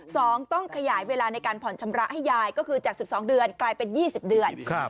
สองต้องขยายเวลาในการผ่อนชำระให้ยายก็คือจากสิบสองเดือนกลายเป็นยี่สิบเดือนครับ